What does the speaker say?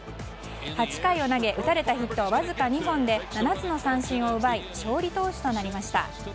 ８回を投げ打たれたヒットはわずか２本で７つの三振を奪い勝利投手となりました。